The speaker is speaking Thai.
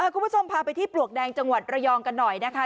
คุณผู้ชมพาไปที่ปลวกแดงจังหวัดระยองกันหน่อยนะคะ